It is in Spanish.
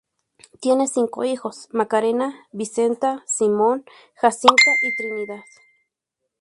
Tiene cinco hijos; Macarena, Vicenta, Simón, Jacinta y Trinidad.